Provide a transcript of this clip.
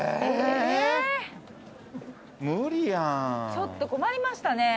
ちょっと困りましたね。